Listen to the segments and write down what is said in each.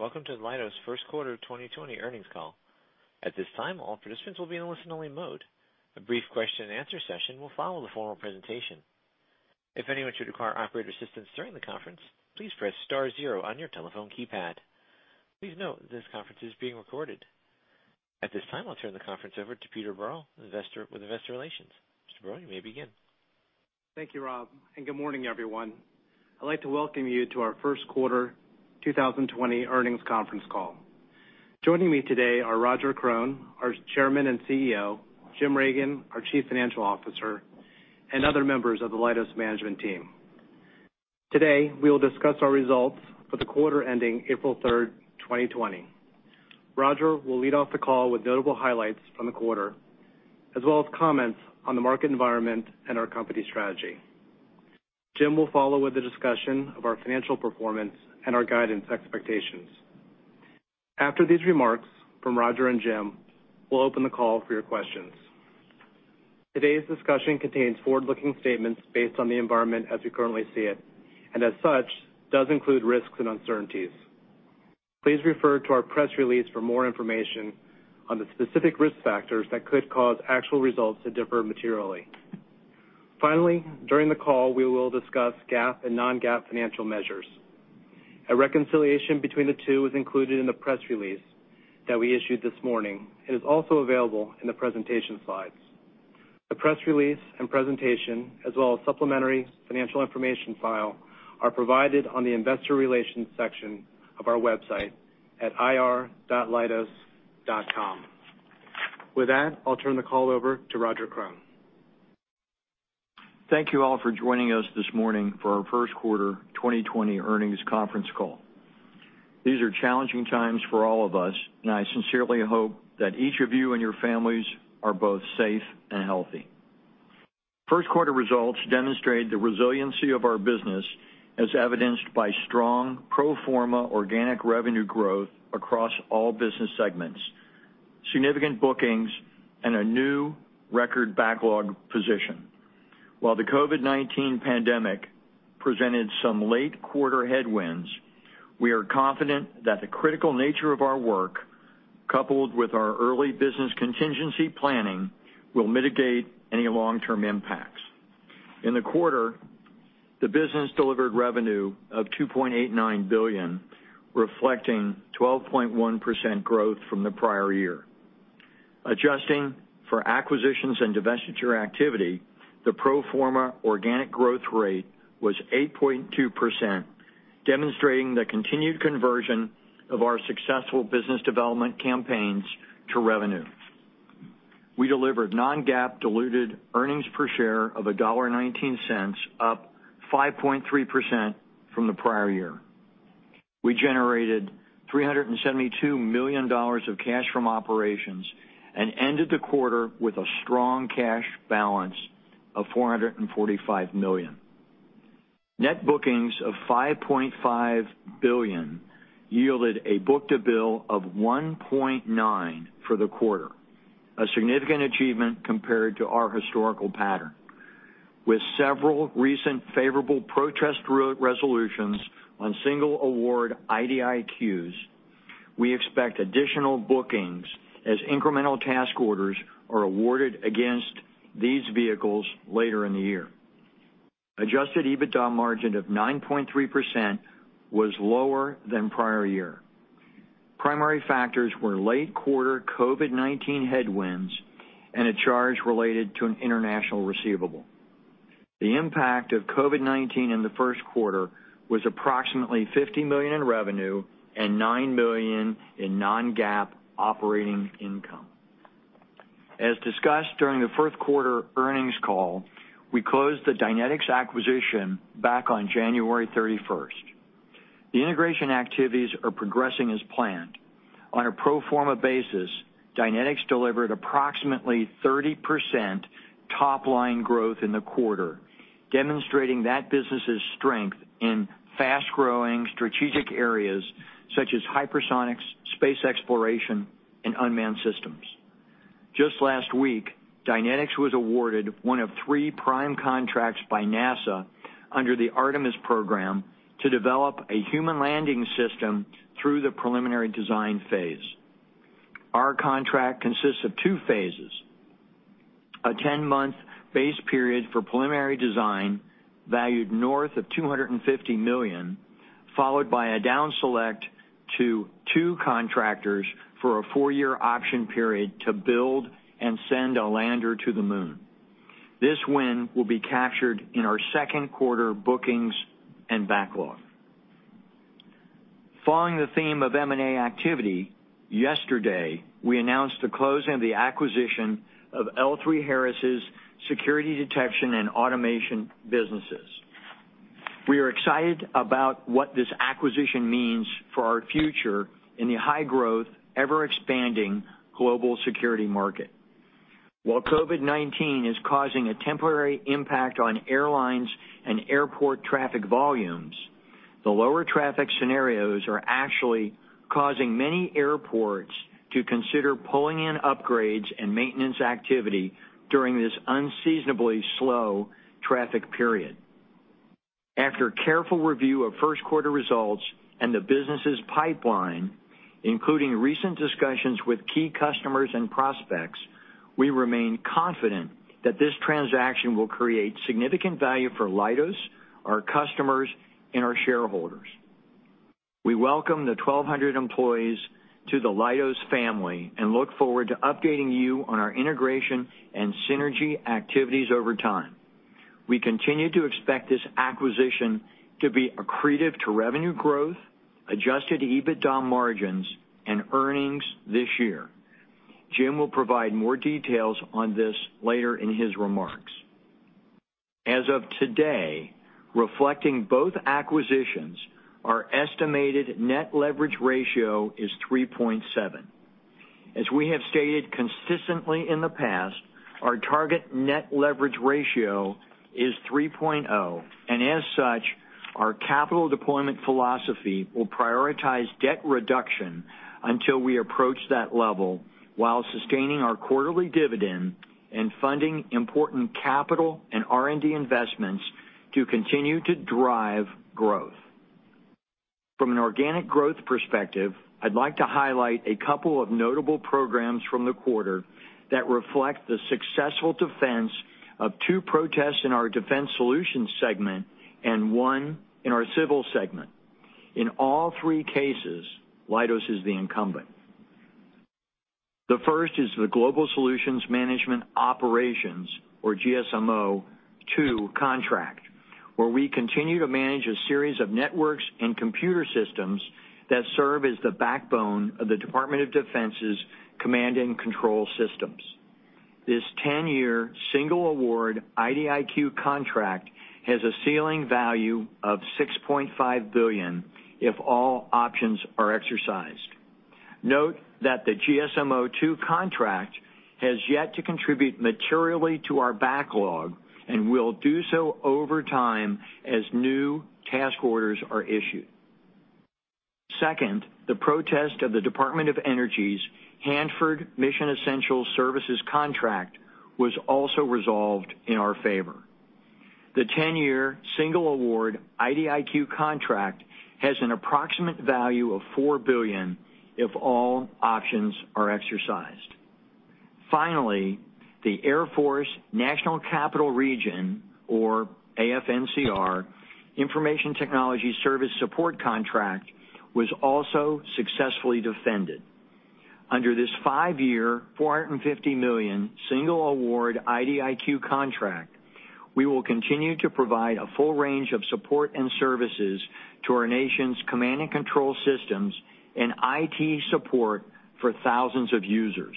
Greetings. Welcome to Leidos' first quarter 2020 earnings call. At this time, all participants will be in a listen-only mode. A brief question-and-answer session will follow the formal presentation. If anyone should require operator assistance during the conference, please press star zero on your telephone keypad. Please note that this conference is being recorded. At this time, I'll turn the conference over to Peter Berl, with Investor Relations. Mr. Berl, you may begin. Thank you, Rob. Good morning, everyone. I'd like to welcome you to our first quarter 2020 earnings conference call. Joining me today are Roger Krone, our Chairman and CEO, Jim Reagan, our Chief Financial Officer, and other members of the Leidos management team. Today, we will discuss our results for the quarter ending April 3, 2020. Roger will lead off the call with notable highlights from the quarter, as well as comments on the market environment and our company strategy. Jim will follow with a discussion of our financial performance and our guidance expectations. After these remarks from Roger and Jim, we'll open the call for your questions. Today's discussion contains forward-looking statements based on the environment as we currently see it, and as such, does include risks and uncertainties. Please refer to our press release for more information on the specific risk factors that could cause actual results to differ materially. Finally, during the call, we will discuss GAAP and non-GAAP financial measures. A reconciliation between the two is included in the press release that we issued this morning and is also available in the presentation slides. The press release and presentation, as well as supplementary financial information file, are provided on the Investor Relations section of our website at ir.leidos.com. With that, I'll turn the call over to Roger Krone. Thank you all for joining us this morning for our first quarter 2020 earnings conference call. These are challenging times for all of us, and I sincerely hope that each of you and your families are both safe and healthy. First quarter results demonstrate the resiliency of our business, as evidenced by strong pro forma organic revenue growth across all business segments, significant bookings, and a new record backlog position. While the COVID-19 pandemic presented some late quarter headwinds, we are confident that the critical nature of our work, coupled with our early business contingency planning, will mitigate any long-term impacts. In the quarter, the business delivered revenue of $2.89 billion, reflecting 12.1% growth from the prior year. Adjusting for acquisitions and divestiture activity, the pro forma organic growth rate was 8.2%, demonstrating the continued conversion of our successful business development campaigns to revenue. We delivered non-GAAP diluted earnings per share of $1.19, up 5.3% from the prior year. We generated $372 million of cash from operations and ended the quarter with a strong cash balance of $445 million. Net bookings of $5.5 billion yielded a book to bill of 1.9 for the quarter, a significant achievement compared to our historical pattern. With several recent favorable protest resolutions on single award IDIQs, we expect additional bookings as incremental task orders are awarded against these vehicles later in the year. Adjusted EBITDA margin of 9.3% was lower than prior year. Primary factors were late quarter COVID-19 headwinds and a charge related to an international receivable. The impact of COVID-19 in the first quarter was approximately $50 million in revenue and $9 million in non-GAAP operating income. As discussed during the fourth quarter earnings call, we closed the Dynetics acquisition back on January 31. The integration activities are progressing as planned. On a pro forma basis, Dynetics delivered approximately 30% top line growth in the quarter, demonstrating that business's strength in fast-growing strategic areas such as hypersonics, space exploration, and unmanned systems. Just last week, Dynetics was awarded one of three prime contracts by NASA under the Artemis program to develop a human landing system through the preliminary design phase. Our contract consists of two phases: a 10-month base period for preliminary design valued north of $250 million, followed by a down select to two contractors for a four-year option period to build and send a lander to the moon. This win will be captured in our second quarter bookings and backlog. Following the theme of M&A activity, yesterday we announced the closing of the acquisition of L3Harris's Security Detection & Automation businesses. We are excited about what this acquisition means for our future in the high-growth, ever-expanding global security market. While COVID-19 is causing a temporary impact on airlines and airport traffic volumes, the lower traffic scenarios are actually causing many airports to consider pulling in upgrades and maintenance activity during this unseasonably slow traffic period. After careful review of first quarter results and the business's pipeline, including recent discussions with key customers and prospects, we remain confident that this transaction will create significant value for Leidos, our customers, and our shareholders. We welcome the 1,200 employees to the Leidos family and look forward to updating you on our integration and synergy activities over time. We continue to expect this acquisition to be accretive to revenue growth, adjusted EBITDA margins, and earnings this year. Jim will provide more details on this later in his remarks. As of today, reflecting both acquisitions, our estimated net leverage ratio is 3.7. As we have stated consistently in the past, our target net leverage ratio is 3.0, and as such, our capital deployment philosophy will prioritize debt reduction until we approach that level while sustaining our quarterly dividend and funding important capital and R&D investments to continue to drive growth. From an organic growth perspective, I'd like to highlight a couple of notable programs from the quarter that reflect the successful defense of two protests in our Defense Solutions segment and one in our Civil segment. In all three cases, Leidos is the incumbent. The first is the Global Solutions Management Operations, or GSMO II contract, where we continue to manage a series of networks and computer systems that serve as the backbone of the Department of Defense's command and control systems. This 10-year single award IDIQ contract has a ceiling value of $6.5 billion if all options are exercised. Note that the GSMO II contract has yet to contribute materially to our backlog and will do so over time as new task orders are issued. Second, the protest of the Department of Energy's Hanford Mission Essential Services contract was also resolved in our favor. The 10-year single award IDIQ contract has an approximate value of $4 billion if all options are exercised. Finally, the Air Force National Capital Region, or AFNCR, Information Technology Service Support contract was also successfully defended. Under this five-year $450 million single award IDIQ contract, we will continue to provide a full range of support and services to our nation's command and control systems and IT support for thousands of users.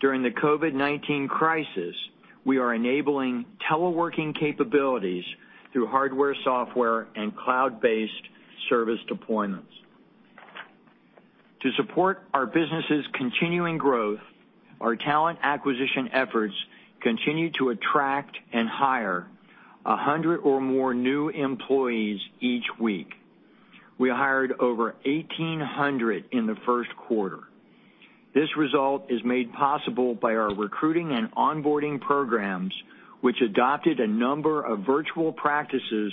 During the COVID-19 crisis, we are enabling teleworking capabilities through hardware, software, and cloud-based service deployments. To support our business's continuing growth, our talent acquisition efforts continue to attract and hire 100 or more new employees each week. We hired over 1,800 in the first quarter. This result is made possible by our recruiting and onboarding programs, which adopted a number of virtual practices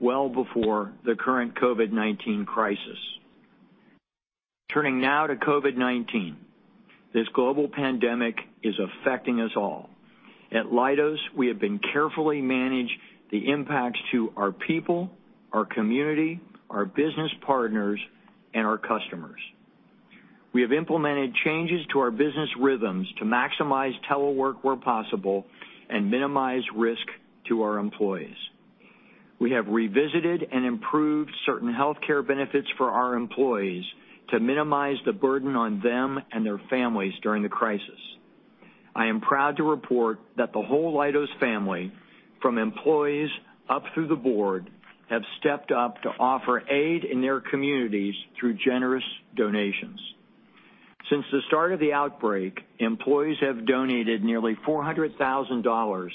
well before the current COVID-19 crisis. Turning now to COVID-19, this global pandemic is affecting us all. At Leidos, we have been carefully managing the impacts to our people, our community, our business partners, and our customers. We have implemented changes to our business rhythms to maximize telework where possible and minimize risk to our employees. We have revisited and improved certain healthcare benefits for our employees to minimize the burden on them and their families during the crisis. I am proud to report that the whole Leidos family, from employees up through the board, have stepped up to offer aid in their communities through generous donations. Since the start of the outbreak, employees have donated nearly $400,000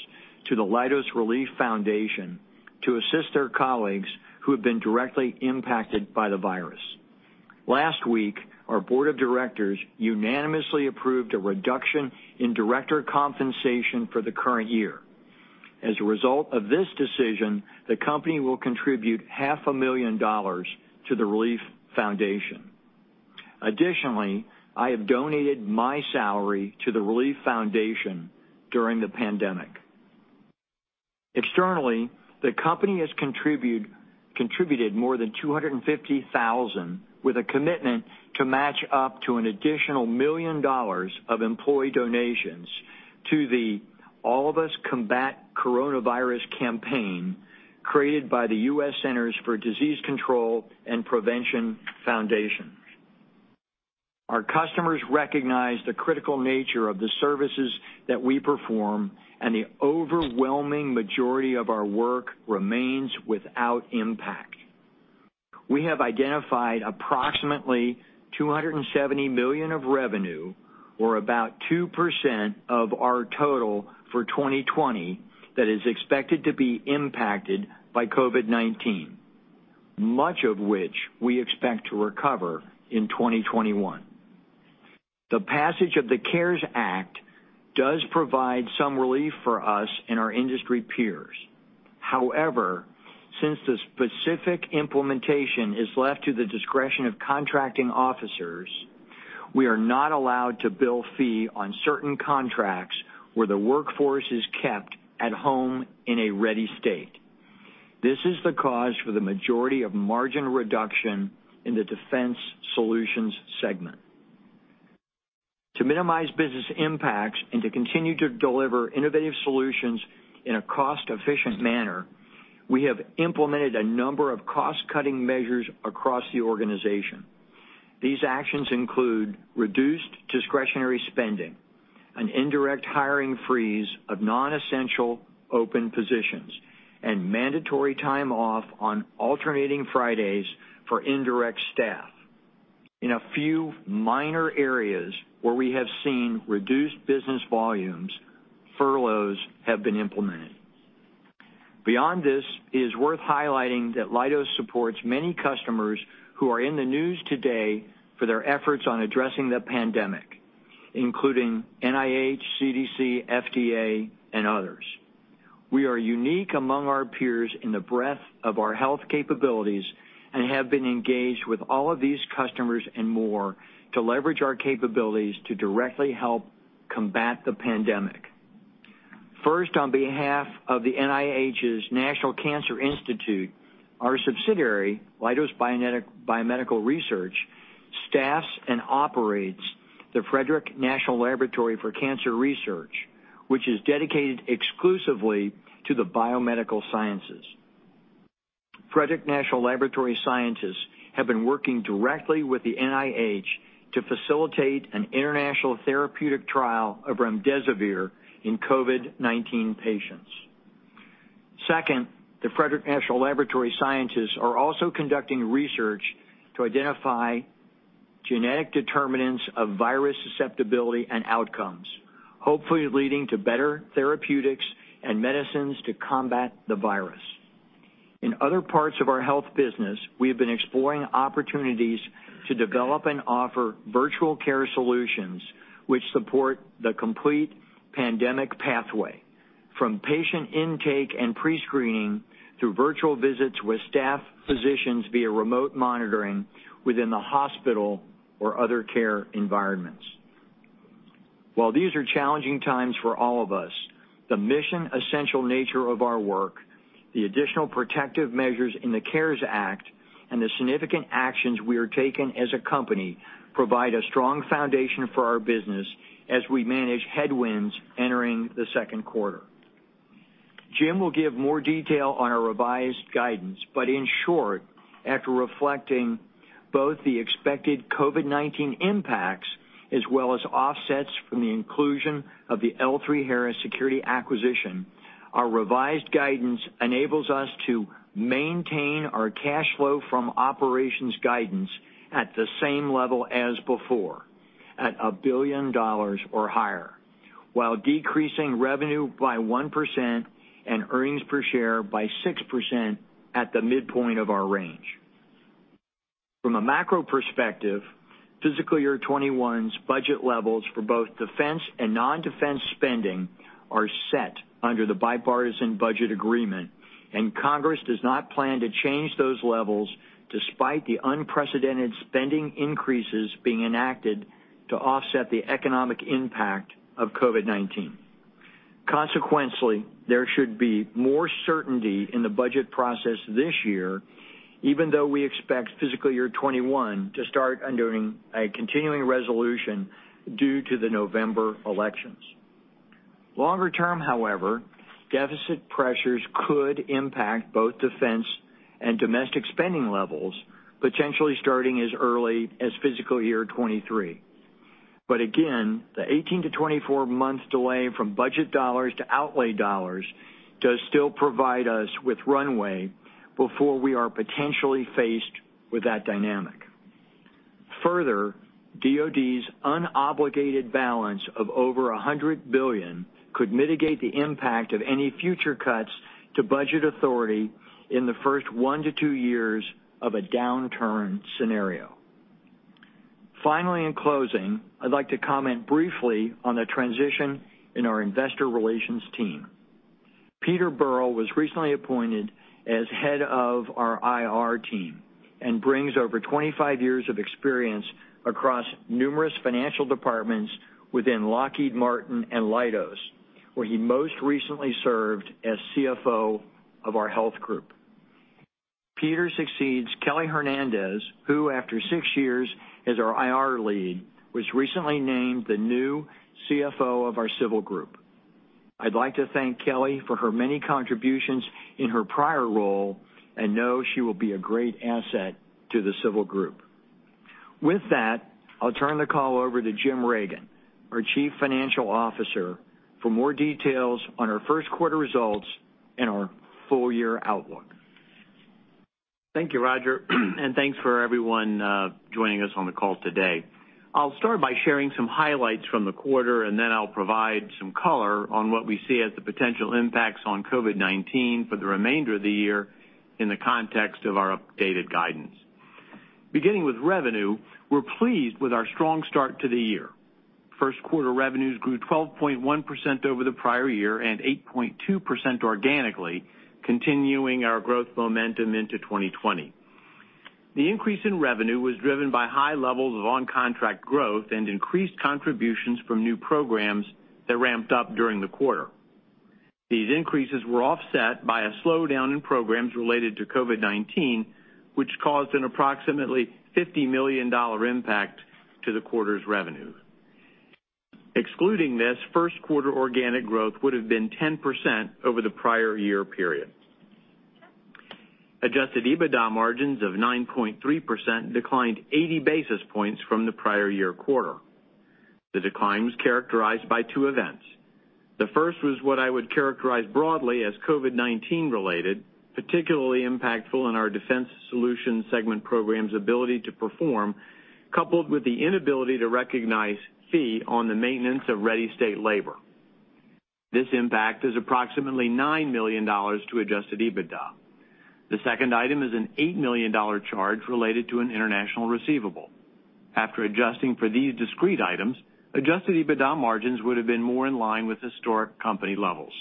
to the Leidos Relief Foundation to assist their colleagues who have been directly impacted by the virus. Last week, our board of directors unanimously approved a reduction in director compensation for the current year. As a result of this decision, the company will contribute $500,000 to the Relief Foundation. Additionally, I have donated my salary to the Relief Foundation during the pandemic. Externally, the company has contributed more than $250,000 with a commitment to match up to an additional $1,000,000 of employee donations to the All of Us Combat Coronavirus campaign created by the U.S. Centers for Disease Control and Prevention Foundation. Our customers recognize the critical nature of the services that we perform, and the overwhelming majority of our work remains without impact. We have identified approximately $270 million of revenue, or about 2% of our total for 2020, that is expected to be impacted by COVID-19, much of which we expect to recover in 2021. The passage of the CARES Act does provide some relief for us and our industry peers. However, since the specific implementation is left to the discretion of contracting officers, we are not allowed to bill fee on certain contracts where the workforce is kept at home in a ready state. This is the cause for the majority of margin reduction in the Defense Solutions segment. To minimize business impacts and to continue to deliver innovative solutions in a cost-efficient manner, we have implemented a number of cost-cutting measures across the organization. These actions include reduced discretionary spending, an indirect hiring freeze of non-essential open positions, and mandatory time off on alternating Fridays for indirect staff. In a few minor areas where we have seen reduced business volumes, furloughs have been implemented. Beyond this, it is worth highlighting that Leidos supports many customers who are in the news today for their efforts on addressing the pandemic, including NIH, CDC, FDA, and others. We are unique among our peers in the breadth of our health capabilities and have been engaged with all of these customers and more to leverage our capabilities to directly help combat the pandemic. First, on behalf of the NIH's National Cancer Institute, our subsidiary, Leidos Biomedical Research, staffs and operates the Frederick National Laboratory for Cancer Research, which is dedicated exclusively to the biomedical sciences. Frederick National Laboratory scientists have been working directly with the NIH to facilitate an international therapeutic trial of remdesivir in COVID-19 patients. Second, the Frederick National Laboratory scientists are also conducting research to identify genetic determinants of virus susceptibility and outcomes, hopefully leading to better therapeutics and medicines to combat the virus. In other parts of our health business, we have been exploring opportunities to develop and offer virtual care solutions which support the complete pandemic pathway, from patient intake and pre-screening through virtual visits with staff physicians via remote monitoring within the hospital or other care environments. While these are challenging times for all of us, the mission-essential nature of our work, the additional protective measures in the CARES Act, and the significant actions we are taking as a company provide a strong foundation for our business as we manage headwinds entering the second quarter. Jim will give more detail on our revised guidance, but in short, after reflecting both the expected COVID-19 impacts as well as offsets from the inclusion of the L3Harris security acquisition, our revised guidance enables us to maintain our cash flow from operations guidance at the same level as before, at $1 billion or higher, while decreasing revenue by 1% and earnings per share by 6% at the midpoint of our range. From a macro perspective, fiscal year 2021's budget levels for both defense and non-defense spending are set under the bipartisan budget agreement, and Congress does not plan to change those levels despite the unprecedented spending increases being enacted to offset the economic impact of COVID-19. Consequently, there should be more certainty in the budget process this year, even though we expect fiscal year 2021 to start under a continuing resolution due to the November elections. Longer term, however, deficit pressures could impact both defense and domestic spending levels, potentially starting as early as fiscal year 2023. Again, the 18-24 month delay from budget dollars to outlay dollars does still provide us with runway before we are potentially faced with that dynamic. Further, DOD's unobligated balance of over $100 billion could mitigate the impact of any future cuts to budget authority in the first one to two years of a downturn scenario. Finally, in closing, I'd like to comment briefly on the transition in our investor relations team. Peter Berl was recently appointed as head of our IR team and brings over 25 years of experience across numerous financial departments within Lockheed Martin and Leidos, where he most recently served as CFO of our Health Group. Peter succeeds Kelly Hernandez, who, after six years as our IR lead, was recently named the new CFO of our civil group. I'd like to thank Kelly for her many contributions in her prior role and know she will be a great asset to the civil group. With that, I'll turn the call over to Jim Reagan, our Chief Financial Officer, for more details on our first quarter results and our full-year outlook. Thank you, Roger, and thanks for everyone joining us on the call today. I'll start by sharing some highlights from the quarter, and then I'll provide some color on what we see as the potential impacts on COVID-19 for the remainder of the year in the context of our updated guidance. Beginning with revenue, we're pleased with our strong start to the year. First quarter revenues grew 12.1% over the prior year and 8.2% organically, continuing our growth momentum into 2020. The increase in revenue was driven by high levels of on-contract growth and increased contributions from new programs that ramped up during the quarter. These increases were offset by a slowdown in programs related to COVID-19, which caused an approximately $50 million impact to the quarter's revenue. Excluding this, first quarter organic growth would have been 10% over the prior year period. Adjusted EBITDA margins of 9.3% declined 80 basis points from the prior year quarter. The decline was characterized by two events. The first was what I would characterize broadly as COVID-19 related, particularly impactful in our defense solution segment program's ability to perform, coupled with the inability to recognize fee on the maintenance of ready state labor. This impact is approximately $9 million to adjusted EBITDA. The second item is an $8 million charge related to an international receivable. After adjusting for these discrete items, adjusted EBITDA margins would have been more in line with historic company levels.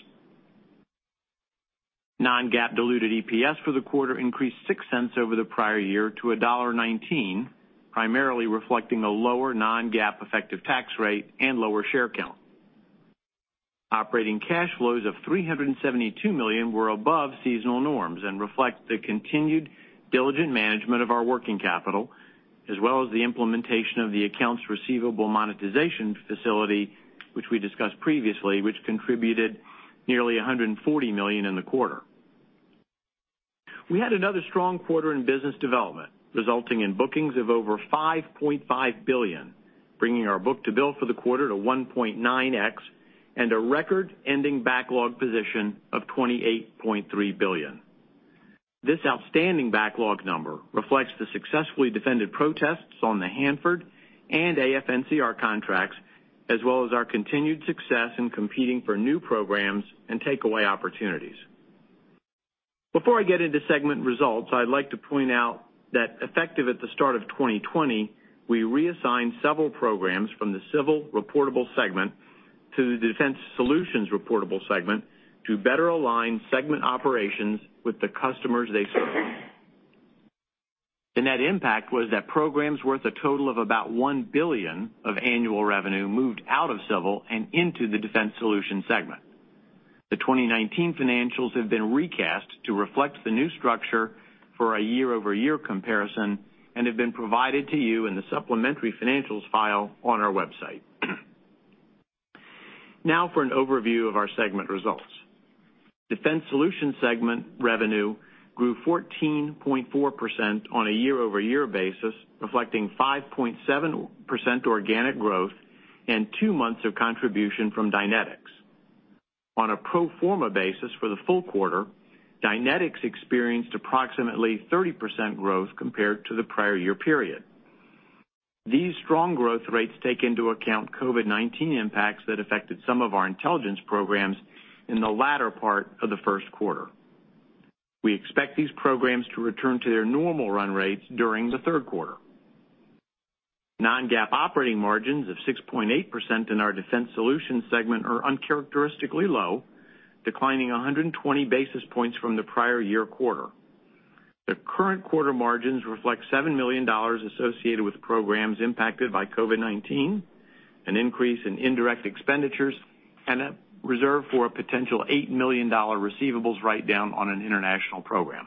Non-GAAP diluted EPS for the quarter increased 6 cents over the prior year to $1.19, primarily reflecting a lower non-GAAP effective tax rate and lower share count. Operating cash flows of $372 million were above seasonal norms and reflect the continued diligent management of our working capital, as well as the implementation of the accounts receivable monetization facility, which we discussed previously, which contributed nearly $140 million in the quarter. We had another strong quarter in business development, resulting in bookings of over $5.5 billion, bringing our book-to-bill for the quarter to 1.9X and a record-ending backlog position of $28.3 billion. This outstanding backlog number reflects the successfully defended protests on the Hanford and AFNCR contracts, as well as our continued success in competing for new programs and takeaway opportunities. Before I get into segment results, I'd like to point out that, effective at the start of 2020, we reassigned several programs from the civil reportable segment to the defense solutions reportable segment to better align segment operations with the customers they serve. The net impact was that programs worth a total of about $1 billion of annual revenue moved out of civil and into the Defense Solutions segment. The 2019 financials have been recast to reflect the new structure for a year-over-year comparison and have been provided to you in the supplementary financials file on our website. Now for an overview of our segment results. Defense solution segment revenue grew 14.4% on a year-over-year basis, reflecting 5.7% organic growth and two months of contribution from Dynetics. On a pro forma basis for the full quarter, Dynetics experienced approximately 30% growth compared to the prior year period. These strong growth rates take into account COVID-19 impacts that affected some of our intelligence programs in the latter part of the first quarter. We expect these programs to return to their normal run rates during the third quarter. Non-GAAP operating margins of 6.8% in our defense solution segment are uncharacteristically low, declining 120 basis points from the prior year quarter. The current quarter margins reflect $7 million associated with programs impacted by COVID-19, an increase in indirect expenditures, and a reserve for a potential $8 million receivables write-down on an international program.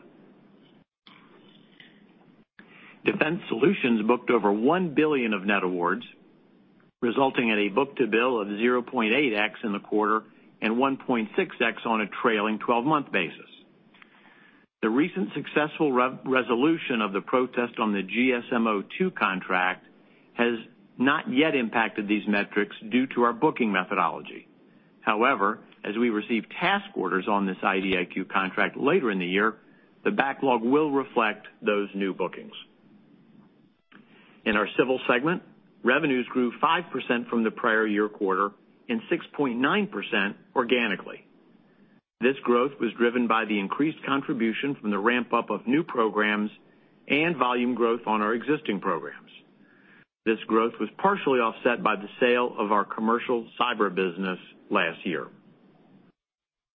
Defense solutions booked over $1 billion of net awards, resulting in a book-to-bill of 0.8x in the quarter and 1.6x on a trailing 12-month basis. The recent successful resolution of the protest on the GSMO II contract has not yet impacted these metrics due to our booking methodology. However, as we receive task orders on this IDIQ contract later in the year, the backlog will reflect those new bookings. In our Civil segment, revenues grew 5% from the prior year quarter and 6.9% organically. This growth was driven by the increased contribution from the ramp-up of new programs and volume growth on our existing programs. This growth was partially offset by the sale of our commercial cyber business last year.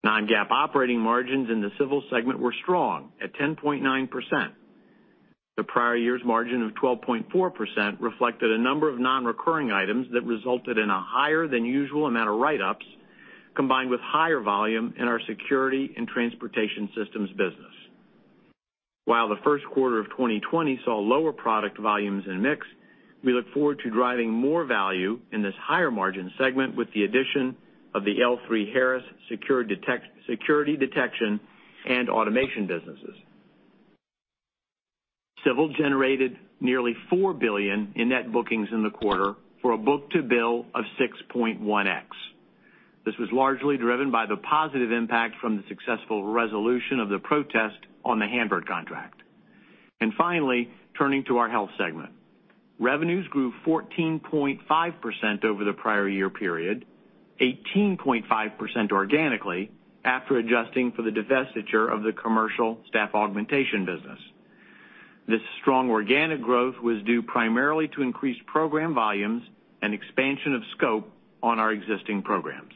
Non-GAAP operating margins in the Civil segment were strong at 10.9%. HThe prior year's margin of 12.4% reflected a number of non-recurring items that resulted in a higher-than-usual amount of write-ups, combined with higher volume in our security and transportation systems business. While the first quarter of 2020 saw lower product volumes and mix, we look forward to driving more value in this higher margin segment with the addition of the L3Harris security detection and automation businesses. Civil generated nearly $4 billion in net bookings in the quarter for a book-to-bill of 6.1x. This was largely driven by the positive impact from the successful resolution of the protest on the Hanford contract. Finally, turning to our Health segment, revenues grew 14.5% over the prior year period, 18.5% organically, after adjusting for the divestiture of the commercial staff augmentation business. This strong organic growth was due primarily to increased program volumes and expansion of scope on our existing programs.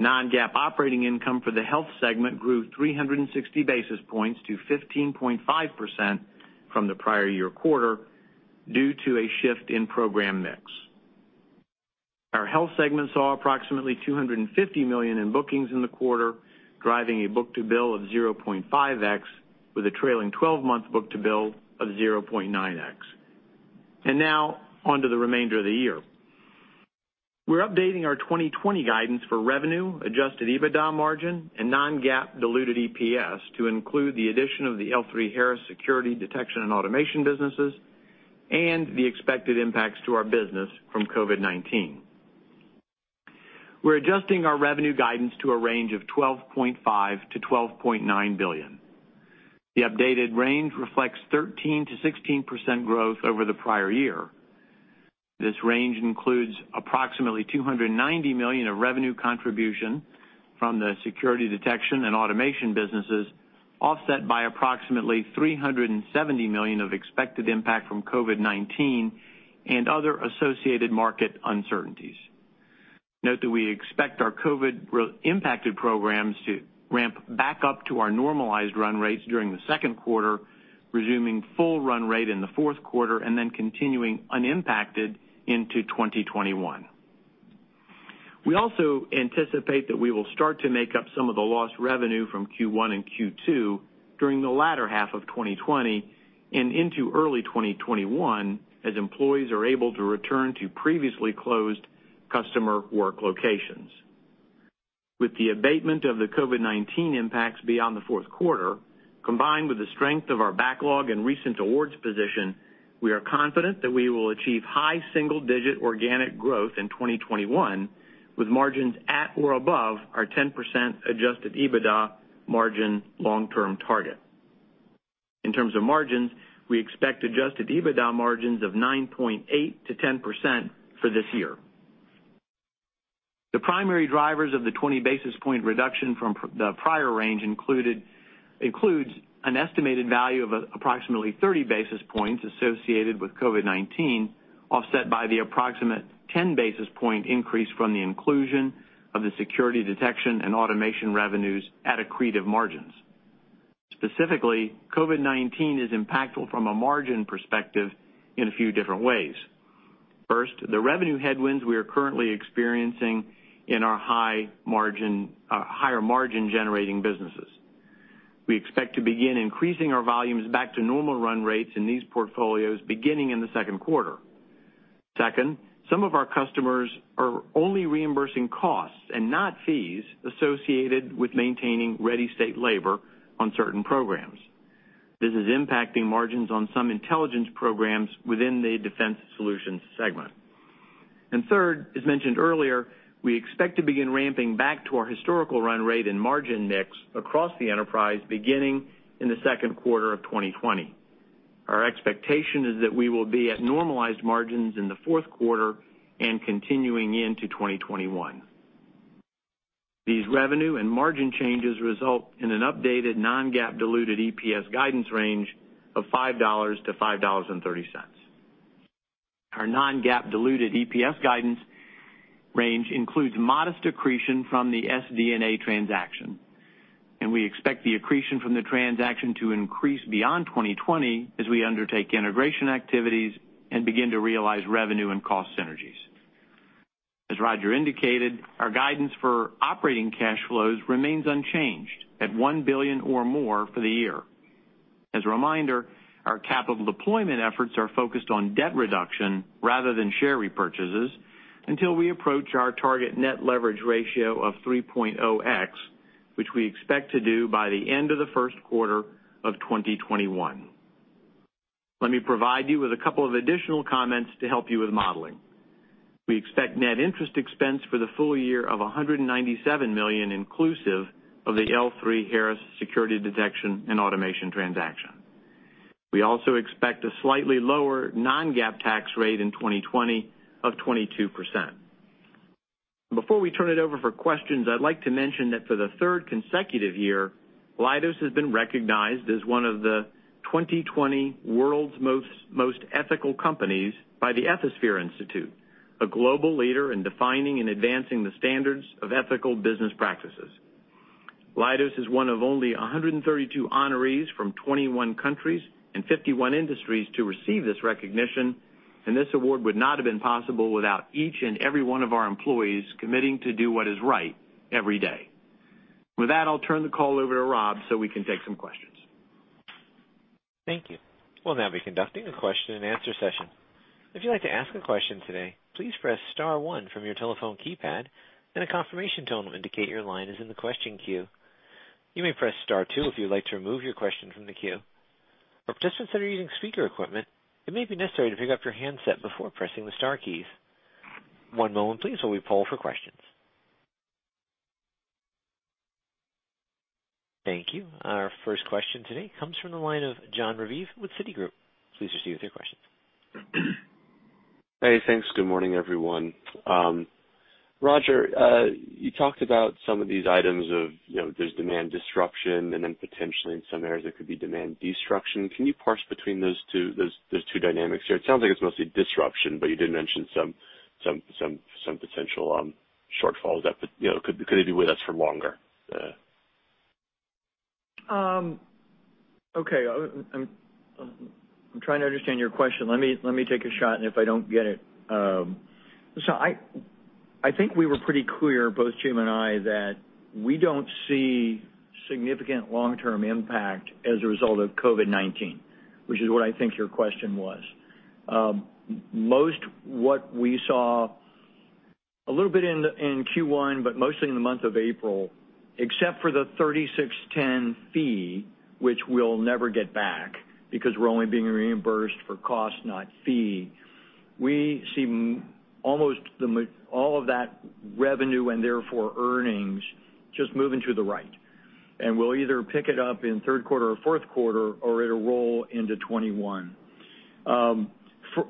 Non-GAAP operating income for the Health segment grew 360 basis points to 15.5% from the prior year quarter due to a shift in program mix. Our Health segment saw approximately $250 million in bookings in the quarter, driving a book-to-bill of 0.5x, with a trailing 12-month book-to-bill of 0.9x. Now onto the remainder of the year. We are updating our 2020 guidance for revenue, adjusted EBITDA margin, and non-GAAP diluted EPS to include the addition of the L3Harris security detection and automation businesses and the expected impacts to our business from COVID-19. We are adjusting our revenue guidance to a range of $12.5 billion-$12.9 billion. The updated range reflects 13%-16% growth over the prior year. This range includes approximately $290 million of revenue contribution from the security detection and automation businesses, offset by approximately $370 million of expected impact from COVID-19 and other associated market uncertainties. Note that we expect our COVID-impacted programs to ramp back up to our normalized run rates during the second quarter, resuming full run rate in the fourth quarter, and then continuing unimpacted into 2021. We also anticipate that we will start to make up some of the lost revenue from Q1 and Q2 during the latter half of 2020 and into early 2021 as employees are able to return to previously closed customer work locations. With the abatement of the COVID-19 impacts beyond the fourth quarter, combined with the strength of our backlog and recent awards position, we are confident that we will achieve high single-digit organic growth in 2021 with margins at or above our 10% adjusted EBITDA margin long-term target. In terms of margins, we expect adjusted EBITDA margins of 9.8%-10% for this year. The primary drivers of the 20 basis point reduction from the prior range include an estimated value of approximately 30 basis points associated with COVID-19, offset by the approximate 10 basis point increase from the inclusion of the security detection and automation revenues at accretive margins. Specifically, COVID-19 is impactful from a margin perspective in a few different ways. First, the revenue headwinds we are currently experiencing in our higher margin-generating businesses. We expect to begin increasing our volumes back to normal run rates in these portfolios beginning in the second quarter. Second, some of our customers are only reimbursing costs and not fees associated with maintaining ready state labor on certain programs. This is impacting margins on some intelligence programs within the defense solution segment. Third, as mentioned earlier, we expect to begin ramping back to our historical run rate and margin mix across the enterprise beginning in the second quarter of 2020. Our expectation is that we will be at normalized margins in the fourth quarter and continuing into 2021. These revenue and margin changes result in an updated non-GAAP diluted EPS guidance range of $5-$5.30. Our non-GAAP diluted EPS guidance range includes modest accretion from the SD&A transaction, and we expect the accretion from the transaction to increase beyond 2020 as we undertake integration activities and begin to realize revenue and cost synergies. As Roger indicated, our guidance for operating cash flows remains unchanged at $1 billion or more for the year. As a reminder, our capital deployment efforts are focused on debt reduction rather than share repurchases until we approach our target net leverage ratio of 3.0X, which we expect to do by the end of the first quarter of 2021. Let me provide you with a couple of additional comments to help you with modeling. We expect net interest expense for the full year of $197 million inclusive of the L3Harris security detection and automation transaction. We also expect a slightly lower non-GAAP tax rate in 2020 of 22%. Before we turn it over for questions, I'd like to mention that for the third consecutive year, Leidos has been recognized as one of the 2020 world's most ethical companies by the Ethisphere Institute, a global leader in defining and advancing the standards of ethical business practices. Leidos is one of only 132 honorees from 21 countries and 51 industries to receive this recognition, and this award would not have been possible without each and every one of our employees committing to do what is right every day. With that, I'll turn the call over to Rob so we can take some questions. Thank you. We'll now be conducting a question-and-answer session. If you'd like to ask a question today, please press star one from your telephone keypad, and a confirmation tone will indicate your line is in the question queue. You may press star two if you'd like to remove your question from the queue. For participants that are using speaker equipment, it may be necessary to pick up your handset before pressing the Star keys. One moment, please, while we poll for questions. Thank you. Our first question today comes from the line of Jon Raviv with Citigroup. Please proceed with your questions. Hey, thanks. Good morning, everyone. Roger, you talked about some of these items of there's demand disruption, and then potentially in some areas there could be demand destruction. Can you parse between those two dynamics here? It sounds like it's mostly disruption, but you did mention some potential shortfalls. Could it be with us for longer? Okay. I'm trying to understand your question. Let me take a shot, and if I don't get it. I think we were pretty clear, both Jim and I, that we don't see significant long-term impact as a result of COVID-19, which is what I think your question was. Most what we saw a little bit in Q1, but mostly in the month of April, except for the 3610 fee, which we'll never get back because we're only being reimbursed for cost, not fee. We see almost all of that revenue and therefore earnings just moving to the right. We'll either pick it up in third quarter or fourth quarter or it'll roll into 2021.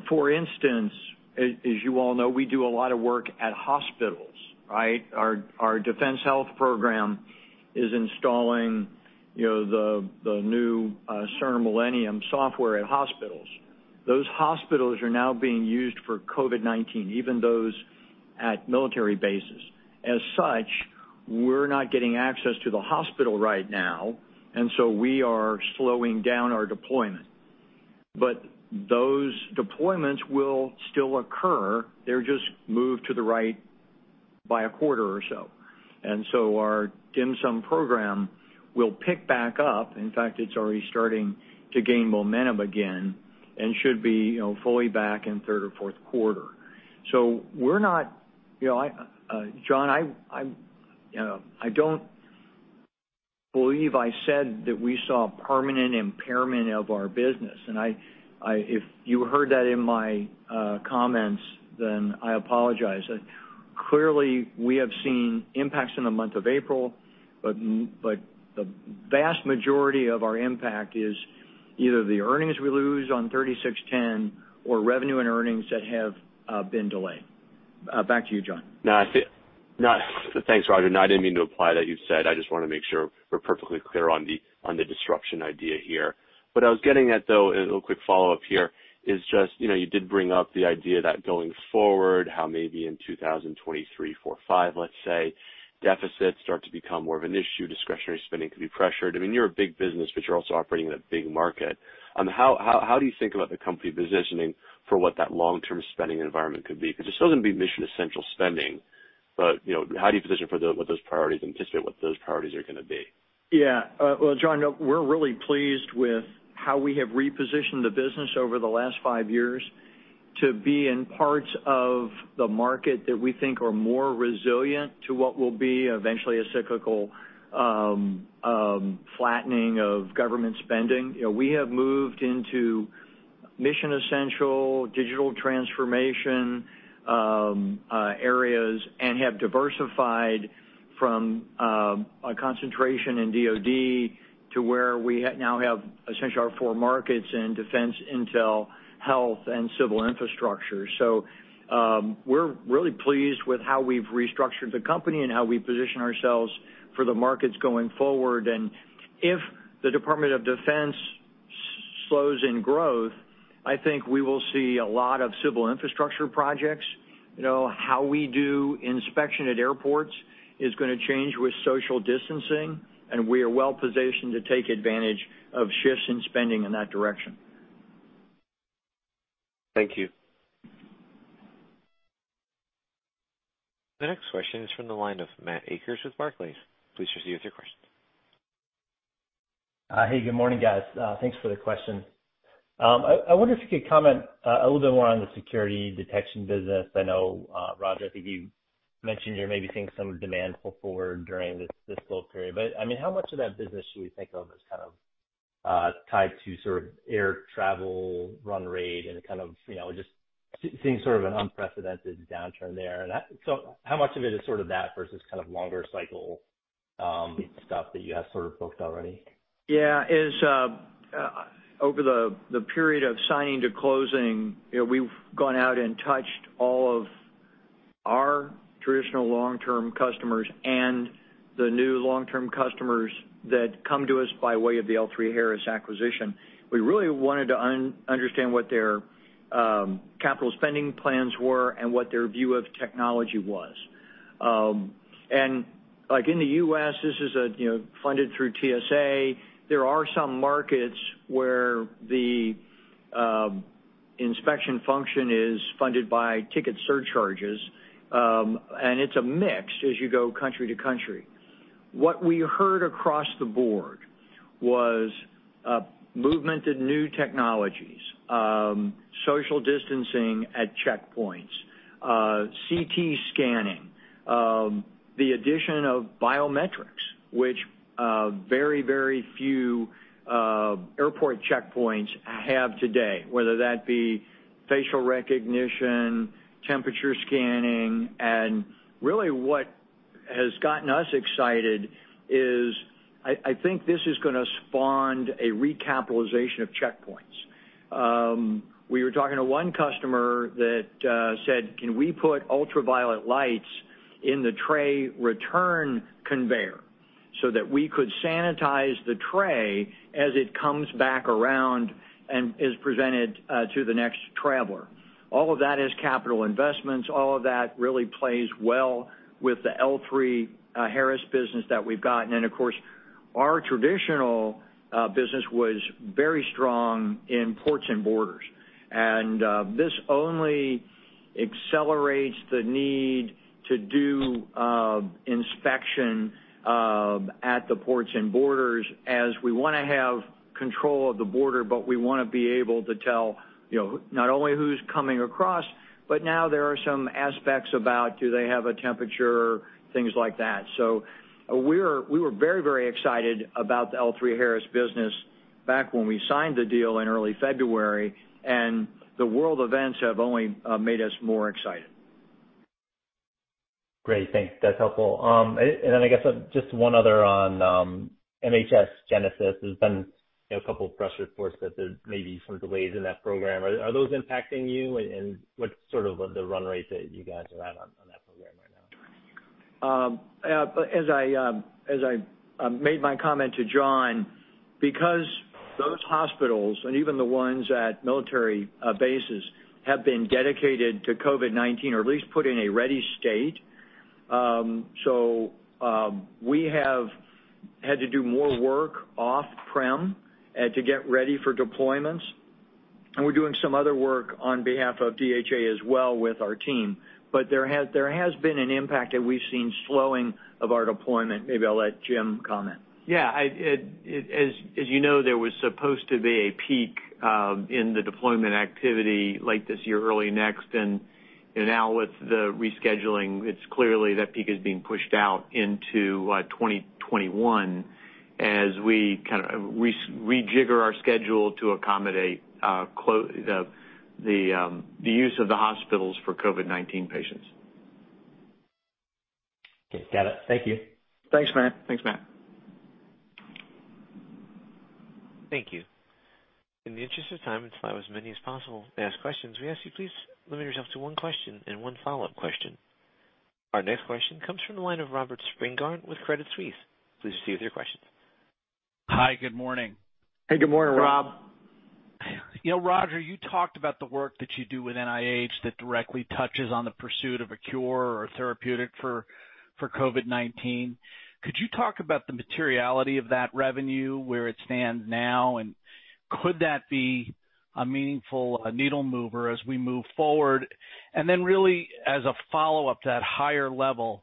For instance, as you all know, we do a lot of work at hospitals, right? Our defense health program is installing the new Cerner Millennium software at hospitals. Those hospitals are now being used for COVID-19, even those at military bases. As such, we're not getting access to the hospital right now, and we are slowing down our deployment. Those deployments will still occur. They're just moved to the right by a quarter or so. Our DHMSM program will pick back up. In fact, it's already starting to gain momentum again and should be fully back in third or fourth quarter. We're not, John, I don't believe I said that we saw permanent impairment of our business. If you heard that in my comments, then I apologize. Clearly, we have seen impacts in the month of April, but the vast majority of our impact is either the earnings we lose on 3610 or revenue and earnings that have been delayed. Back to you, John. Thanks, Roger. No, I didn't mean to imply that you said. I just want to make sure we're perfectly clear on the disruption idea here. What I was getting at, though, a little quick follow-up here is just you did bring up the idea that going forward, how maybe in 2023, 2024, 2025, let's say, deficits start to become more of an issue, discretionary spending could be pressured. I mean, you're a big business, but you're also operating in a big market. How do you think about the company positioning for what that long-term spending environment could be? Because this does seem to be mission-essential spending, but how do you position for what those priorities and anticipate what those priorities are going to be? Yeah. John, we're really pleased with how we have repositioned the business over the last five years to be in parts of the market that we think are more resilient to what will be eventually a cyclical flattening of government spending. We have moved into mission-essential digital transformation areas and have diversified from a concentration in DOD to where we now have essentially our four markets in defense, intel, health, and civil infrastructure. We are really pleased with how we've restructured the company and how we position ourselves for the markets going forward. If the Department of Defense slows in growth, I think we will see a lot of civil infrastructure projects. How we do inspection at airports is going to change with social distancing, and we are well-positioned to take advantage of shifts in spending in that direction. Thank you. The next question is from the line of Matt Akers with Barclays. Please proceed with your questions. Hey, good morning, guys. Thanks for the question. I wonder if you could comment a little bit more on the security detection business. I know, Roger, I think you mentioned you're maybe seeing some demand pull forward during this little period. I mean, how much of that business should we think of as kind of tied to sort of air travel, run rate, and kind of just seeing sort of an unprecedented downturn there? How much of it is sort of that versus kind of longer cycle stuff that you have sort of booked already? Yeah. Over the period of signing to closing, we've gone out and touched all of our traditional long-term customers and the new long-term customers that come to us by way of the L3Harris acquisition. We really wanted to understand what their capital spending plans were and what their view of technology was. In the U.S., this is funded through TSA. There are some markets where the inspection function is funded by ticket surcharges, and it's a mix as you go country to country. What we heard across the board was movement to new technologies, social distancing at checkpoints, CT scanning, the addition of biometrics, which very, very few airport checkpoints have today, whether that be facial recognition, temperature scanning. What has gotten us excited is I think this is going to spawn a recapitalization of checkpoints. We were talking to one customer that said, "Can we put ultraviolet lights in the tray return conveyor so that we could sanitize the tray as it comes back around and is presented to the next traveler?" All of that is capital investments. All of that really plays well with the L3Harris business that we've gotten. Of course, our traditional business was very strong in ports and borders. This only accelerates the need to do inspection at the ports and borders as we want to have control of the border, but we want to be able to tell not only who's coming across, but now there are some aspects about do they have a temperature, things like that. We were very, very excited about the L3Harris business back when we signed the deal in early February, and the world events have only made us more excited. Great. Thanks. That's helpful. I guess just one other on MHS Genesis. There's been a couple of press reports that there may be some delays in that program. Are those impacting you, and what's sort of the run rate that you guys are at on that program right now? As I made my comment to John, because those hospitals and even the ones at military bases have been dedicated to COVID-19 or at least put in a ready state, we have had to do more work off-prem to get ready for deployments. We are doing some other work on behalf of DHA as well with our team. There has been an impact that we've seen slowing of our deployment. Maybe I'll let Jim comment. Yeah. As you know, there was supposed to be a peak in the deployment activity late this year, early next. Now with the rescheduling, it's clear that peak is being pushed out into 2021 as we kind of rejigger our schedule to accommodate the use of the hospitals for COVID-19 patients. Got it. Thank you. Thanks, Matt. Thanks, Matt. Thank you. In the interest of time, until I have as many as possible to ask questions, we ask you please limit yourself to one question and one follow-up question. Our next question comes from the line of Robert Spingarn with Credit Suisse. Please proceed with your questions. Hi. Good morning. Hey, good morning, Rob. Roger, you talked about the work that you do with NIH that directly touches on the pursuit of a cure or therapeutic for COVID-19. Could you talk about the materiality of that revenue where it stands now, and could that be a meaningful needle mover as we move forward? Really, as a follow-up to that higher level,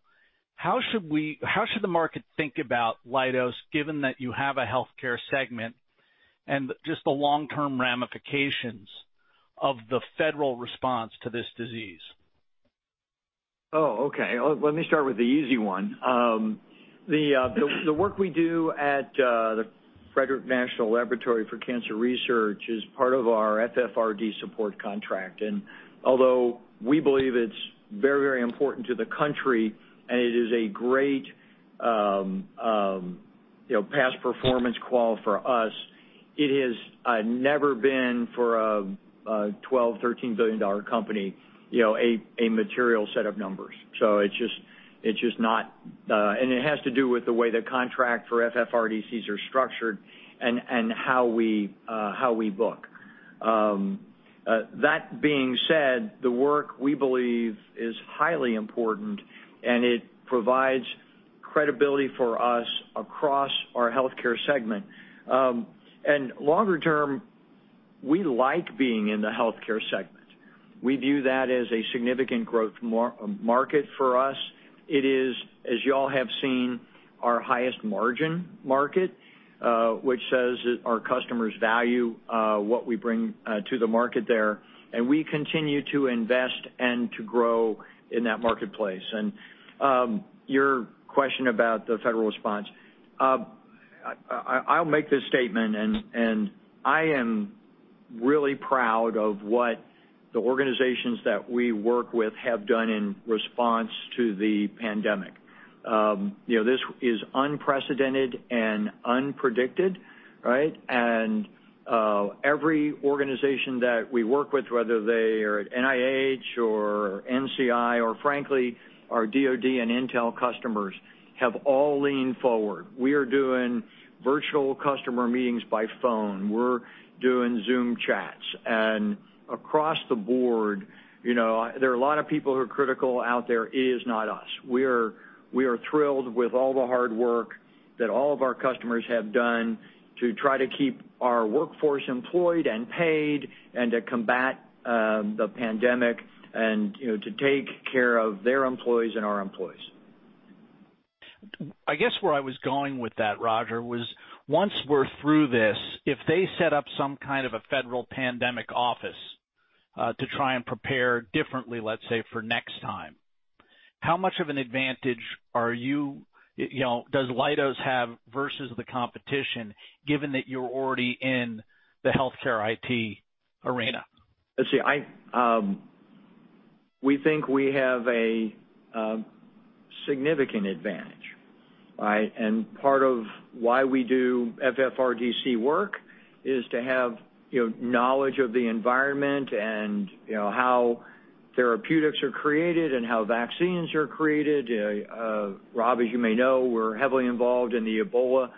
how should the market think about Leidos, given that you have a healthcare segment and just the long-term ramifications of the federal response to this disease? Oh, okay. Let me start with the easy one. The work we do at the Frederick National Laboratory for Cancer Research is part of our FFRDC support contract. Although we believe it's very, very important to the country and it is a great past performance call for us, it has never been, for a $12 billion-$13 billion company, a material set of numbers. It just is not, and it has to do with the way the contract for FFRDCs is structured and how we book. That being said, the work we believe is highly important, and it provides credibility for us across our healthcare segment. Longer term, we like being in the healthcare segment. We view that as a significant growth market for us. It is, as y'all have seen, our highest margin market, which says that our customers value what we bring to the market there. We continue to invest and to grow in that marketplace. Your question about the federal response, I'll make this statement, and I am really proud of what the organizations that we work with have done in response to the pandemic. This is unprecedented and unpredicted, right? Every organization that we work with, whether they are at NIH or NCI or, frankly, our DOD and intel customers, have all leaned forward. We are doing virtual customer meetings by phone. We're doing Zoom chats. Across the board, there are a lot of people who are critical out there. It is not us. We are thrilled with all the hard work that all of our customers have done to try to keep our workforce employed and paid and to combat the pandemic and to take care of their employees and our employees. I guess where I was going with that, Roger, was once we're through this, if they set up some kind of a federal pandemic office to try and prepare differently, let's say, for next time, how much of an advantage are you, does Leidos have versus the competition, given that you're already in the healthcare IT arena? Let's see. We think we have a significant advantage, right? Part of why we do FFRDC work is to have knowledge of the environment and how therapeutics are created and how vaccines are created. Rob, as you may know, we're heavily involved in the Ebola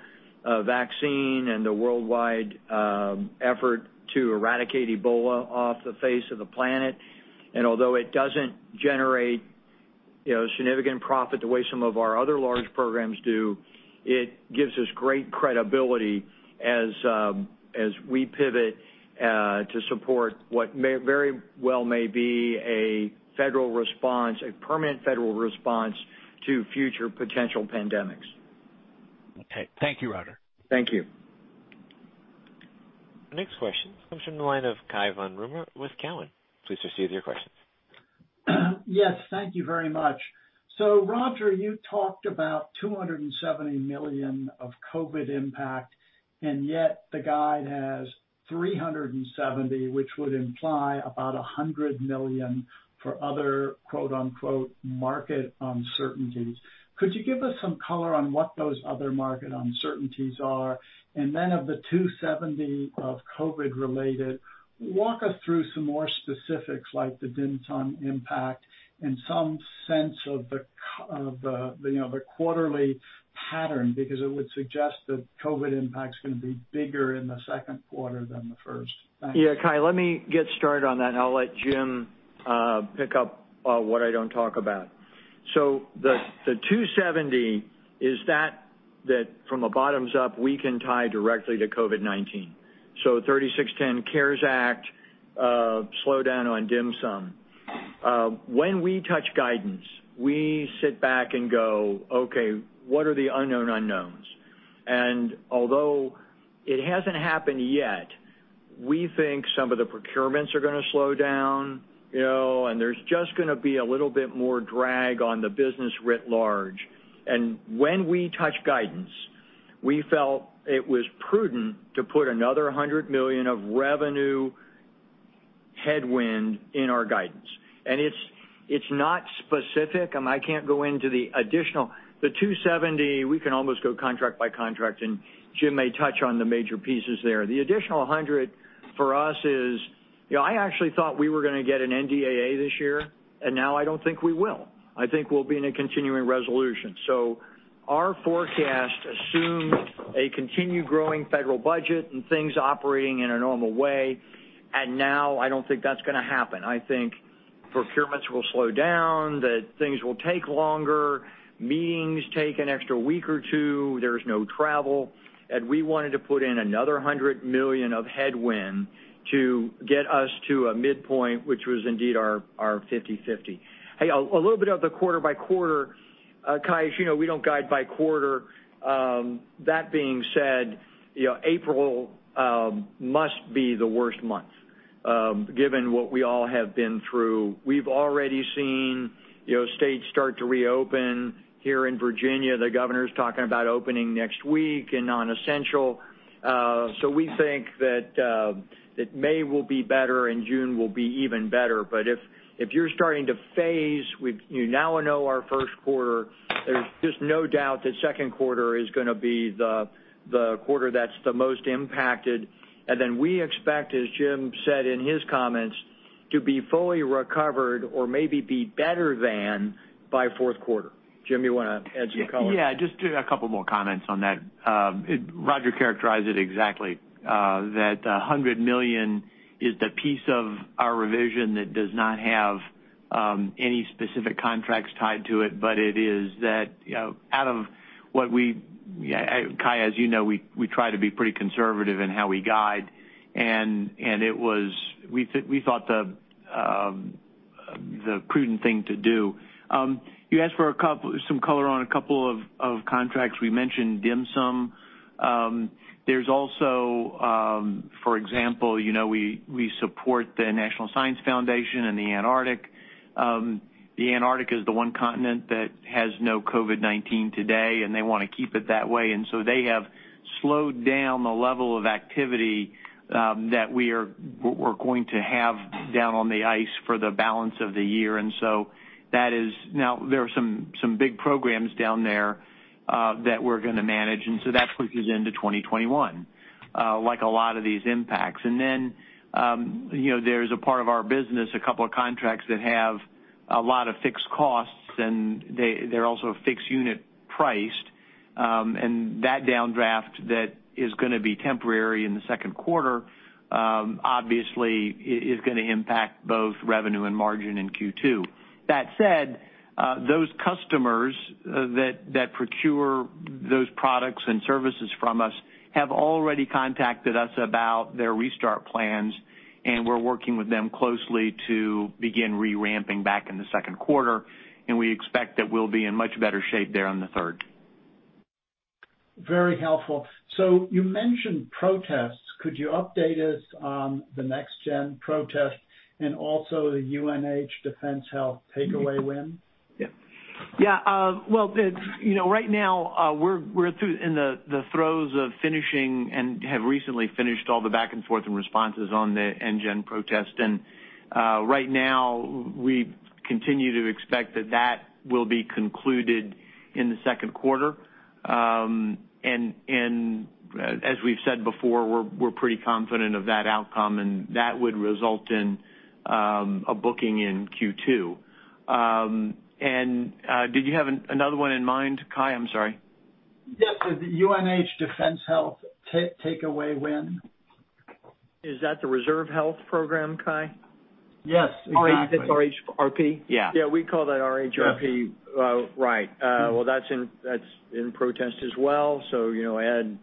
vaccine and the worldwide effort to eradicate Ebola off the face of the planet. Although it doesn't generate significant profit the way some of our other large programs do, it gives us great credibility as we pivot to support what very well may be a permanent federal response to future potential pandemics. Okay. Thank you, Roger. Thank you. The next question comes from the line of Cai von Rumohr with Cowen. Please proceed with your questions. Yes. Thank you very much. Roger, you talked about $270 million of COVID impact, and yet the guide has $370 million, which would imply about $100 million for other "market uncertainties." Could you give us some color on what those other market uncertainties are? Then of the $270 million of COVID-related, walk us through some more specifics like the Dynetics impact and some sense of the quarterly pattern because it would suggest that COVID impact is going to be bigger in the second quarter than the first. Thanks. Yeah, Kai, let me get started on that, and I'll let Jim pick up what I don't talk about. The $270 million, is that from the bottoms up, we can tie directly to COVID-19? 3610 CARES Act, slowdown on DimSum. When we touch guidance, we sit back and go, "Okay, what are the unknown unknowns?" Although it hasn't happened yet, we think some of the procurements are going to slow down, and there's just going to be a little bit more drag on the business writ large. When we touch guidance, we felt it was prudent to put another $100 million of revenue headwind in our guidance. It's not specific. I can't go into the additional, the $270 million, we can almost go contract by contract, and Jim may touch on the major pieces there. The additional 100 for us is I actually thought we were going to get an NDAA this year, and now I do not think we will. I think we will be in a continuing resolution. Our forecast assumed a continued growing federal budget and things operating in a normal way. Now I do not think that is going to happen. I think procurements will slow down, that things will take longer, meetings take an extra week or two, there is no travel. We wanted to put in another $100 million of headwind to get us to a midpoint, which was indeed our 50/50. Hey, a little bit of the quarter by quarter, Kai, as you know, we do not guide by quarter. That being said, April must be the worst month given what we all have been through. We have already seen states start to reopen. Here in Virginia, the governor's talking about opening next week and nonessential. We think that May will be better and June will be even better. If you're starting to phase, we now know our first quarter, there's just no doubt that second quarter is going to be the quarter that's the most impacted. We expect, as Jim said in his comments, to be fully recovered or maybe be better than by fourth quarter. Jim, you want to add some color? Yeah. Just a couple more comments on that. Roger characterized it exactly that $100 million is the piece of our revision that does not have any specific contracts tied to it, but it is that out of what we, Kai, as you know, we try to be pretty conservative in how we guide. We thought the prudent thing to do. You asked for some color on a couple of contracts. We mentioned DHMSM. There's also, for example, we support the National Science Foundation and the Antarctic. The Antarctic is the one continent that has no COVID-19 today, and they want to keep it that way. They have slowed down the level of activity that we are going to have down on the ice for the balance of the year. That is, now there are some big programs down there that we're going to manage. That pushes into 2021, like a lot of these impacts. There is a part of our business, a couple of contracts that have a lot of fixed costs, and they are also fixed unit priced. That down draft that is going to be temporary in the second quarter, obviously, is going to impact both revenue and margin in Q2. That said, those customers that procure those products and services from us have already contacted us about their restart plans, and we are working with them closely to begin reramping back in the second quarter. We expect that we will be in much better shape there in the third. Very helpful. You mentioned protests. Could you update us on the next-gen protest and also the UNH Defense Health Takeaway win? Yeah. Yeah. Right now, we're in the throes of finishing and have recently finished all the back and forth and responses on the NGEN protest. Right now, we continue to expect that that will be concluded in the second quarter. As we've said before, we're pretty confident of that outcome, and that would result in a booking in Q2. Did you have another one in mind, Kai? I'm sorry. Yes. The UNH Defense Health Takeaway win. Is that the reserve health program, Cai? Yes. RHP? Yeah. Yeah. We call that RHRP. Right. That is in protest as well. Add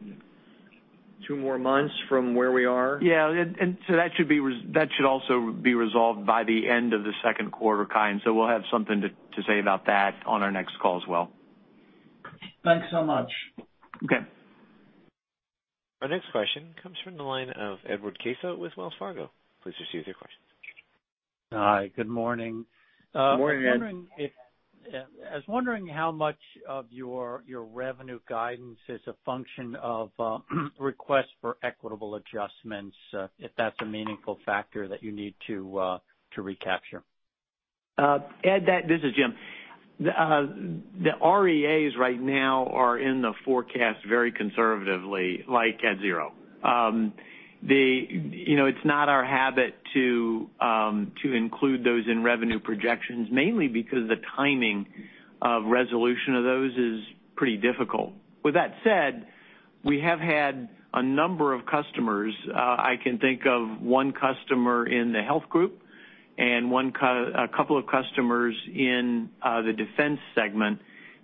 two more months from where we are. Yeah. That should also be resolved by the end of the second quarter, Cai. We will have something to say about that on our next call as well. Thanks so much. Okay. Our next question comes from the line of Edward Caso with Wells Fargo. Please proceed with your questions. Hi. Good morning. Good morning, Ed. I was wondering how much of your revenue guidance is a function of requests for equitable adjustments, if that's a meaningful factor that you need to recapture? Ed, this is Jim. The REAs right now are in the forecast very conservatively, like at zero. It's not our habit to include those in revenue projections, mainly because the timing of resolution of those is pretty difficult. With that said, we have had a number of customers. I can think of one customer in the health group and a couple of customers in the Defense segment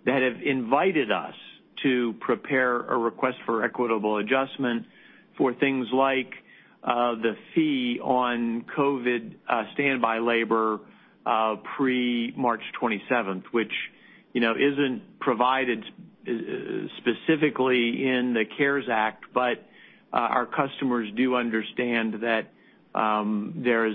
that have invited us to prepare a Request for Equitable Adjustment for things like the fee on COVID standby labor pre-March 27, which isn't provided specifically in the CARES Act. Our customers do understand that there is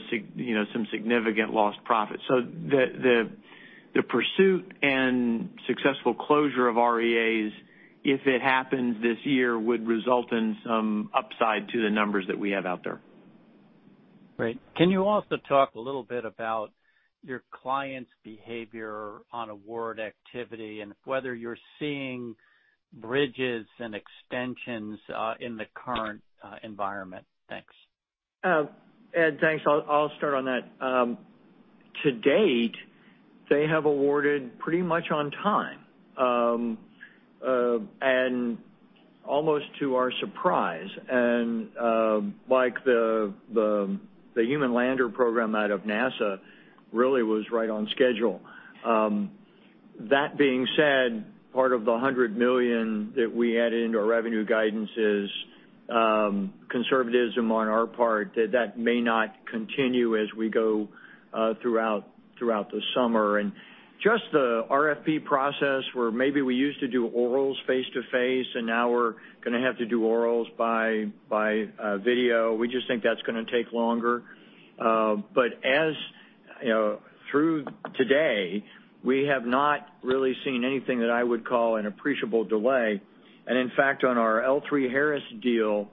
some significant lost profit. The pursuit and successful closure of REAs, if it happens this year, would result in some upside to the numbers that we have out there. Right. Can you also talk a little bit about your client's behavior on award activity and whether you're seeing bridges and extensions in the current environment? Thanks. Ed, thanks. I'll start on that. To date, they have awarded pretty much on time and almost to our surprise. The Human Lander Program out of NASA really was right on schedule. That being said, part of the $100 million that we added into our revenue guidance is conservatism on our part that that may not continue as we go throughout the summer. Just the RFP process, where maybe we used to do orals face to face, and now we're going to have to do orals by video. We just think that's going to take longer. Through today, we have not really seen anything that I would call an appreciable delay. In fact, on our L3Harris deal,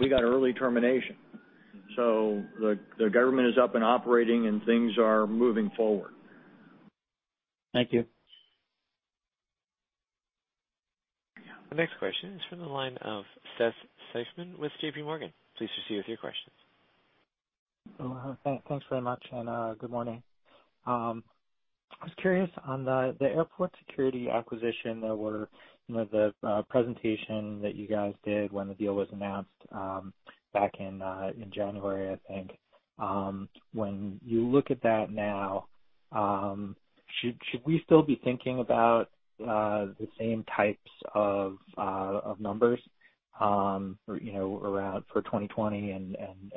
we got early termination. The government is up and operating, and things are moving forward. Thank you. The next question is from the line of Seth Seifman with JPMorgan. Please proceed with your questions. Thanks very much. Good morning. I was curious on the airport security acquisition that were the presentation that you guys did when the deal was announced back in January, I think. When you look at that now, should we still be thinking about the same types of numbers for 2020 and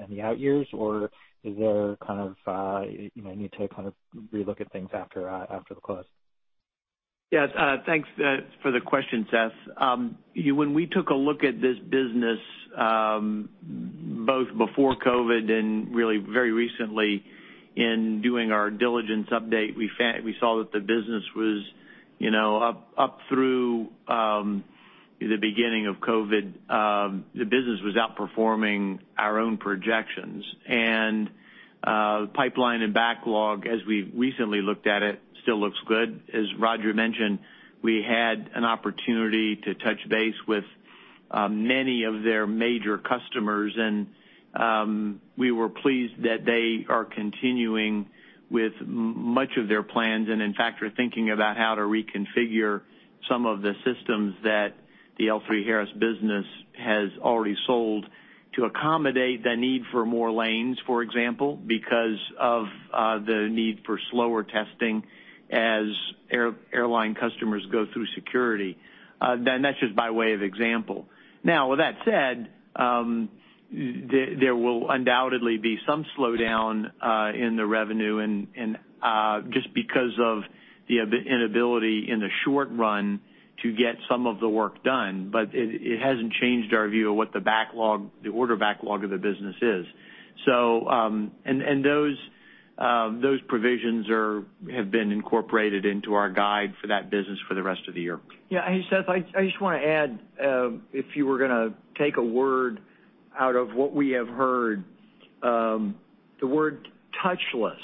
the out years, or is there kind of you need to kind of relook at things after the close? Yeah. Thanks for the question, Seth. When we took a look at this business, both before COVID and really very recently in doing our diligence update, we saw that the business was up through the beginning of COVID. The business was outperforming our own projections. Pipeline and backlog, as we recently looked at it, still looks good. As Roger mentioned, we had an opportunity to touch base with many of their major customers, and we were pleased that they are continuing with much of their plans and, in fact, are thinking about how to reconfigure some of the systems that the L3Harris business has already sold to accommodate the need for more lanes, for example, because of the need for slower testing as airline customers go through security. That is just by way of example. Now, with that said, there will undoubtedly be some slowdown in the revenue just because of the inability in the short run to get some of the work done. It has not changed our view of what the backlog, the order backlog of the business is. Those provisions have been incorporated into our guide for that business for the rest of the year. Yeah. Hey, Seth, I just want to add, if you were going to take a word out of what we have heard, the word touchless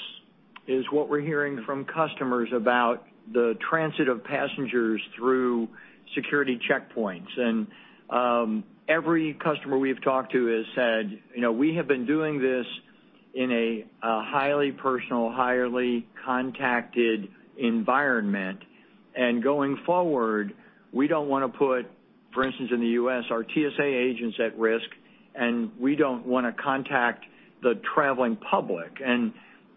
is what we're hearing from customers about the transit of passengers through security checkpoints. Every customer we've talked to has said, "We have been doing this in a highly personal, highly contacted environment. Going forward, we don't want to put, for instance, in the U.S., our TSA agents at risk, and we don't want to contact the traveling public."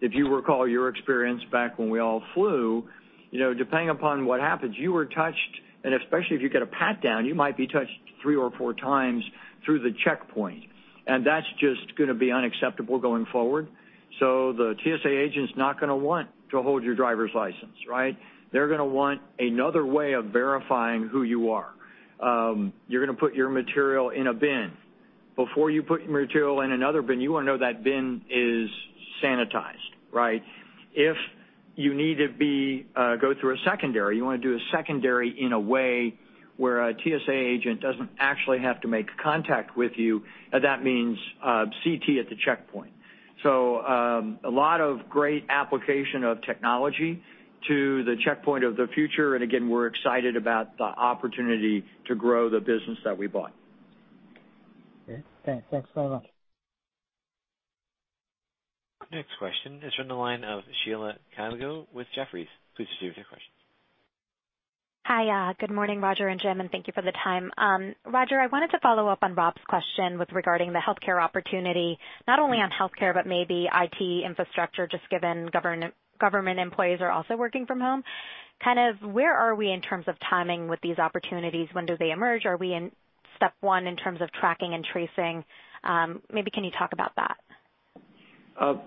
If you recall your experience back when we all flew, depending upon what happens, you were touched, and especially if you get a pat down, you might be touched three or four times through the checkpoint. That's just going to be unacceptable going forward. The TSA agent's not going to want to hold your driver's license, right? They're going to want another way of verifying who you are. You're going to put your material in a bin. Before you put your material in another bin, you want to know that bin is sanitized, right? If you need to go through a secondary, you want to do a secondary in a way where a TSA agent does not actually have to make contact with you. That means CT at the checkpoint. A lot of great application of technology to the checkpoint of the future. Again, we're excited about the opportunity to grow the business that we bought. Okay. Thanks very much. Next question is from the line of Sheila Kahyaoglu with Jefferies. Please proceed with your questions. Hi. Good morning, Roger and Jim, and thank you for the time. Roger, I wanted to follow up on Rob's question with regarding the healthcare opportunity, not only on healthcare, but maybe IT infrastructure, just given government employees are also working from home. Kind of where are we in terms of timing with these opportunities? When do they emerge? Are we in step one in terms of tracking and tracing? Maybe can you talk about that?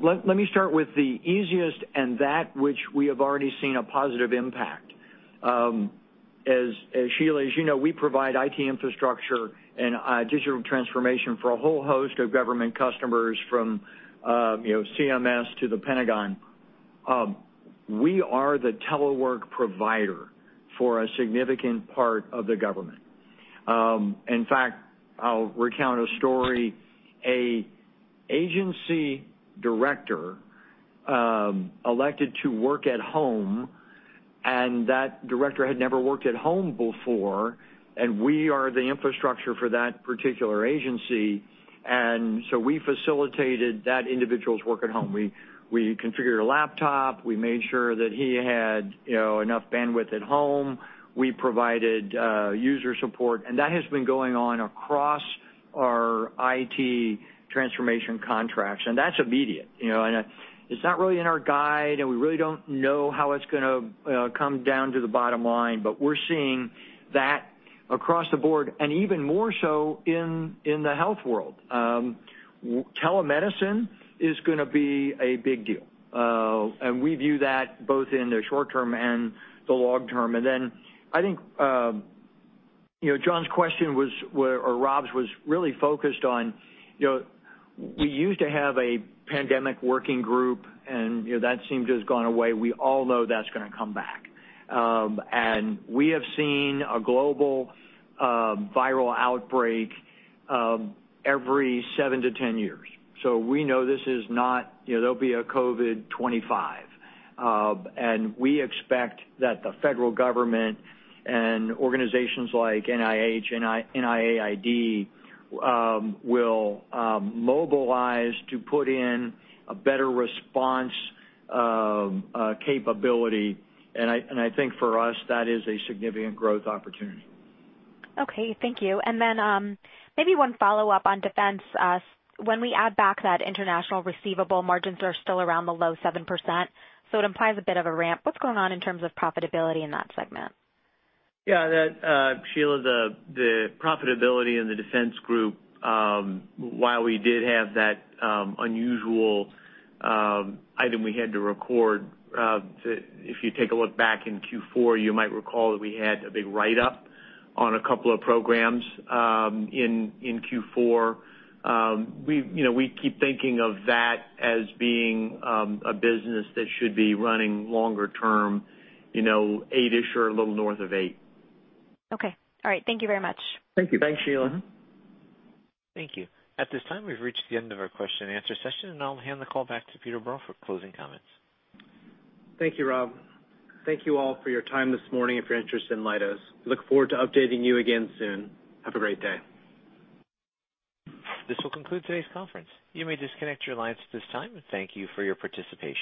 Let me start with the easiest and that which we have already seen a positive impact. As Sheila is, we provide IT infrastructure and digital transformation for a whole host of government customers from CMS to the Pentagon. We are the telework provider for a significant part of the government. In fact, I'll recount a story. An agency director elected to work at home, and that director had never worked at home before. We are the infrastructure for that particular agency. We facilitated that individual's work at home. We configured a laptop. We made sure that he had enough bandwidth at home. We provided user support. That has been going on across our IT transformation contracts. That is immediate. It is not really in our guide, and we really do not know how it is going to come down to the bottom line. We're seeing that across the board and even more so in the health world. Telemedicine is going to be a big deal. We view that both in the short term and the long term. I think John's question or Rob's was really focused on we used to have a pandemic working group, and that seemed to have gone away. We all know that's going to come back. We have seen a global viral outbreak every 7 to 10 years. We know this is not there'll be a COVID-25. We expect that the federal government and organizations like NIH, NIAID will mobilize to put in a better response capability. I think for us, that is a significant growth opportunity. Okay. Thank you. Maybe one follow-up on defense. When we add back that international receivable, margins are still around the low 7%. It implies a bit of a ramp. What's going on in terms of profitability in that segment? Yeah. Sheila, the profitability in the defense group, while we did have that unusual item we had to record, if you take a look back in Q4, you might recall that we had a big write-up on a couple of programs in Q4. We keep thinking of that as being a business that should be running longer term, eight-ish or a little north of eight. Okay. All right. Thank you very much. Thank you. Sheila. Thank you. At this time, we've reached the end of our question-and-answer session, and I'll hand the call back to Peter Berl for closing comments. Thank you, Rob. Thank you all for your time this morning and for your interest in Leidos. We look forward to updating you again soon. Have a great day. This will conclude today's conference. You may disconnect your lines at this time. Thank you for your participation.